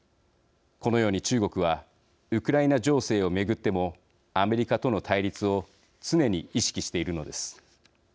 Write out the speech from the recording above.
このように中国はウクライナ情勢を巡ってもアメリカとの対立を常に意識しているのです。